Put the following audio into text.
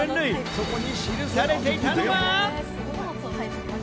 そこに書かれていたのは。